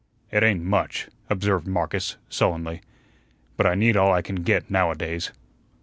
"It ain't much," observed Marcus, sullenly. "But I need all I can get now a days."